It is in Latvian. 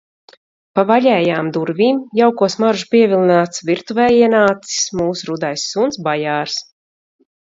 Pa vaļējām durvīm, jauko smaržu pievilināts, virtuvē ienācis mūsu rudais suns Bajārs.